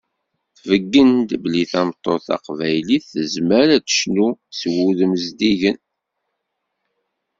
Tbeggen-d belli tameṭṭut taqbaylit tezmer ad tecnu s wudem zeddigen.